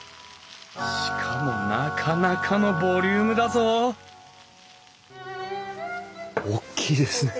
しかもなかなかのボリュームだぞ大きいですね。